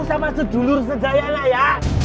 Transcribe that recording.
sama sedulur sedayana ya